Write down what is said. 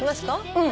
うん。